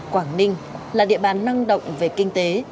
quảng ninh là địa bàn năng động về kinh tế